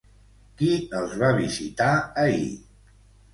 Qui els va visitar ahir?